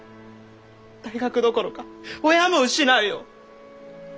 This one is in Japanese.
大学どころか親も失うよ！